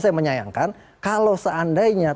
saya menyayangkan kalau seandainya